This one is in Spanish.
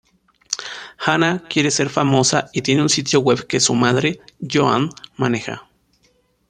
Hannah quiere ser famosa y tiene un sitio web que su madre, Joan, maneja.